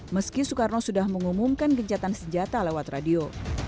meski soekarno sudah mengumumkan gencatan senjata lewat radio